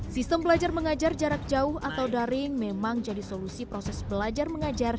sistem belajar mengajar jarak jauh atau daring memang jadi solusi proses belajar mengajar